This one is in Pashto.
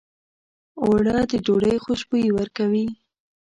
اوړه د ډوډۍ خوشبويي ورکوي